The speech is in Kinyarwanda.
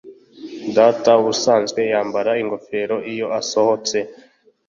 Data ubusanzwe yambara ingofero iyo asohotse